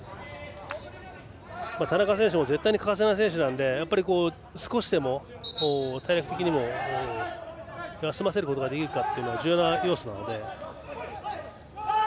田中選手も絶対に欠かせない選手なのでやっぱり少しでも体力的にも休ませることができるかが重要な要素なので。